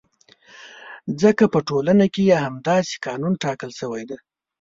ځکه په ټولنه کې یې همداسې قانون ټاکل شوی دی.